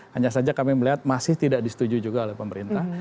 hanya saja kami melihat masih tidak disetujui juga oleh pemerintah